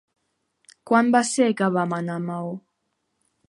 Quan va ser que vam anar a Maó?